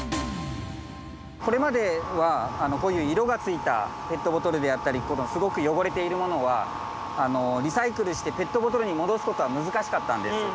これまではこういう色がついたペットボトルであったりすごく汚れているものはリサイクルしてペットボトルに戻すことは難しかったんです。